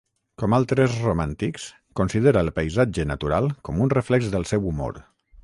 Com altres romàntics, considera el paisatge natural com un reflex del seu humor.